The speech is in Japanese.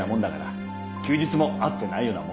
休日もあってないようなものだよ。